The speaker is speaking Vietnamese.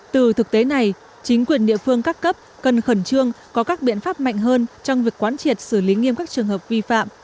từ thực tế này chính quyền địa phương các cấp cần khẩn trương có các biện pháp mạnh hơn trong việc quán triệt xử lý nghiêm các trường hợp vi phạm